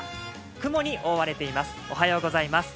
雲に覆われています。